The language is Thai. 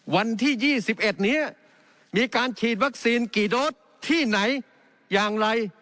วันที่๒๑นี้มีการฉีดวัคซีนกี่โดสที่ไหนอย่างไร